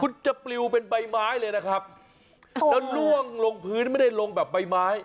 คุณจะปลิวเป็นใบไม้เลยนะครับแล้วล่วงลงพื้นไม่ได้ลงแบบใบไม้